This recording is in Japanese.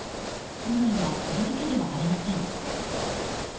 被害はこれだけではありません。